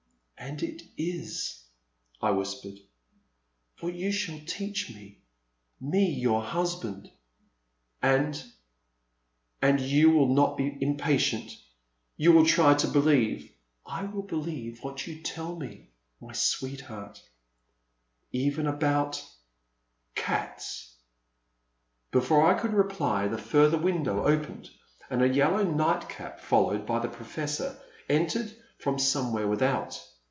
And it is, I whispered, for you shall teach me, — me your husband. And — and you will not be impatient ? You will try to believe ?I will believe what you tell me, my sweet heart. *'Even about— cats?'* Before I could reply the further window opened and a yellow nightcap, followed hy the Professor, entered from somewhere without.